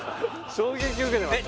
衝撃受けてますよ